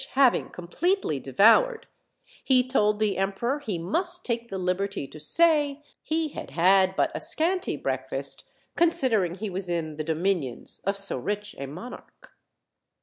g completely devoured, he told the emperor he must take the liberty to say he had had but a scanty breakfast, considering he was in the dominions of so rich a monan h.